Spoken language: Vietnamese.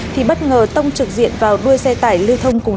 thì bất ngờ tông trực diện vào đuôi xe tải lưu thông cùng chiều